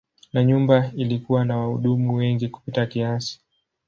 Na nyumba ilikuwa na wahudumu wengi kupita kiasi.